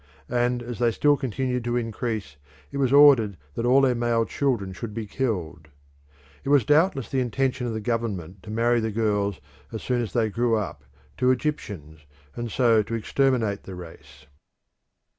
And as they still continued to increase it was ordered that all their male children should be killed. It was doubtless the intention of the government to marry the girls as they grew up to Egyptians, and so to exterminate the race.